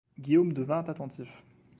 Guillaume devint attentif.